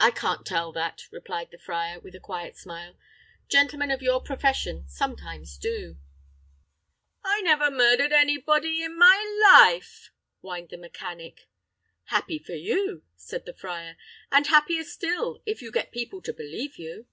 "I can't tell that," replied the friar, with a quiet smile; "gentlemen of your profession sometimes do." "I never murdered any body in my life," whined the mechanic. "Happy for you," said the friar; "and happier still if you get people to believe you."